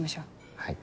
はい。